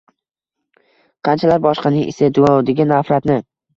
Qanchalar boshqaning iste’dodiga nafratni.